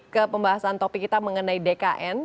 ke pembahasan topik kita mengenai dkn